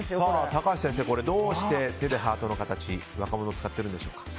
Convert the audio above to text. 高橋先生これはどうして手でハートの形若者が使っているんでしょうか。